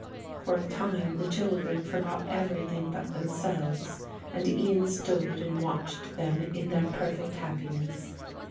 For a time the children forgot everything but themselves and Ian stood and watched them in their perfect happiness.